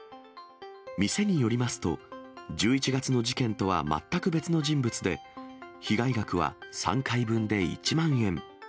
店によりますと、１１月の事件とは全く別の人物で、被害額は３回分で１万円。